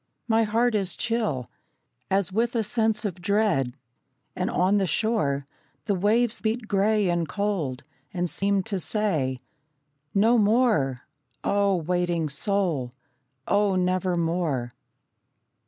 My heart is chill As with a sense of dread, and on the shore The waves beat grey and cold, and seem to say: "No more, oh, waiting soul, oh nevermore!"